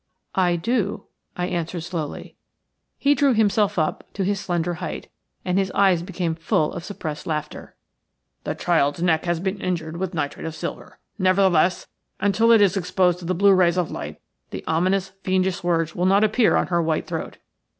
"I do," I answered, slowly. He drew himself up to his slender height, and his eyes became full of suppressed laughter. "The child's neck has been injured with nitrate of silver. Nevertheless, until it is exposed to the blue rays of light the ominous, fiendish words will not appear on her white throat.